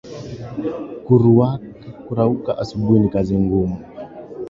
Kuruaka asubuhi ni kazi ngumu